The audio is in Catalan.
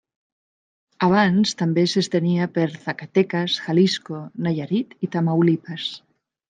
Abans també s'estenia per Zacatecas, Jalisco, Nayarit i Tamaulipas.